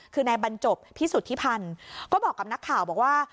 คือนายบรรจบพิสุทธิพันธ์ก็บอกกับนักข่าวบอกว่า